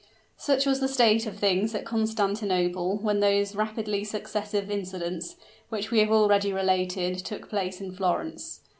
Such was the state of things at Constantinople, when those rapidly successive incidents, which we have already related, took place in Florence.